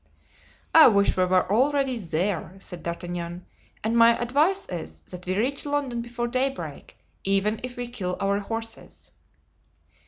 "I wish we were already there," said D'Artagnan; "and my advice is that we reach London before daybreak, even if we kill our horses."